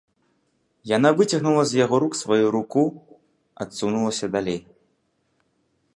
Яна выцягнула з яго рук сваю руку, адсунулася далей.